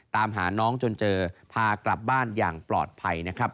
ตามหาน้องจนเจอพากลับบ้านอย่างปลอดภัยนะครับ